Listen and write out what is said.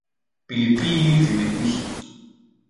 Pilipili zimekwisha.